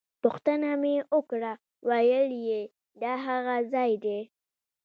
پوښتنه مې وکړه ویل یې دا هغه ځای دی.